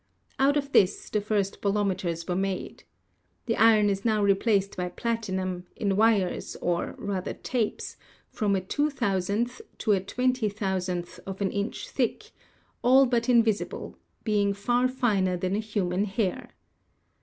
Out of this the first bolometers were made. The iron is now replaced by platinum, in wires, or rather tapes, from a two thou THE SPEED OF LIGHT 79 sandth to a twenty thousandth of an inch thick, all but invisible, being far finer than a human hair.